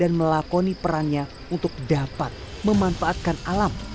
dan melakoni perannya untuk dapat memanfaatkan alam